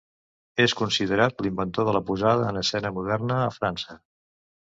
És considerat l'inventor de la posada en escena moderna, a França.